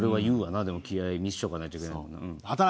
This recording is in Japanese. でも気合見せとかないといけないもんな。